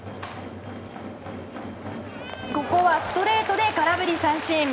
ここはストレートで空振り三振。